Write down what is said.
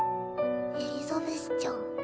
エリザベスちゃん。